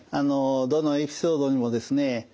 どのエピソードにもですね